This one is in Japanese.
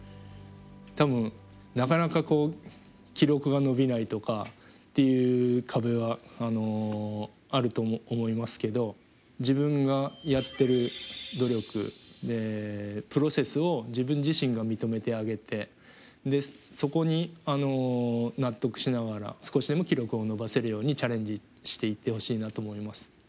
多分なかなか記録が伸びないとかっていう壁はあると思いますけど自分がやってる努力プロセスを自分自身が認めてあげてでそこに納得しながら少しでも記録を伸ばせるようにチャレンジしていってほしいなと思います。